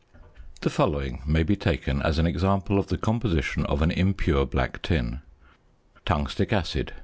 The following may be taken as an example of the composition of an impure black tin: Tungstic acid 1.